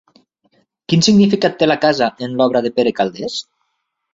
Quin significat té la casa en l'obra de Pere Calders?